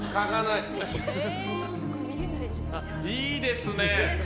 いいですね。